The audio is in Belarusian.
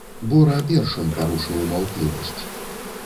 Бора першым парушыў маўклівасць.